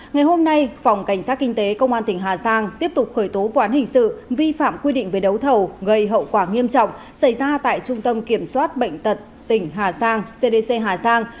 ngày hôm nay phòng cảnh sát kinh tế công an tỉnh hà giang tiếp tục khởi tố ván hình sự vi phạm quy định về đấu thầu gây hậu quả nghiêm trọng xảy ra tại trung tâm kiểm soát bệnh tật tỉnh hà giang cdc hà giang